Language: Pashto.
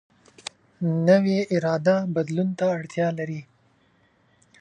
نوې اراده بدلون ته اړتیا لري